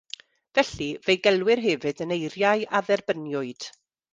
Felly fe'u gelwir hefyd yn eiriau a dderbyniwyd.